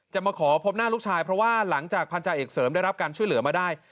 มาขอพบหน้าลูกชายเพราะว่าหลังจากพันธาเอกเสริมได้รับการช่วยเหลือมาได้